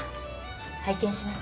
拝見します。